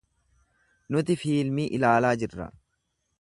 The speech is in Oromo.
Nuti fiilmii ilaalaa jirra.